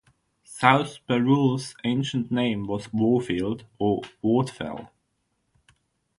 South Barrule's ancient name was "Warfield" or "Wardfell".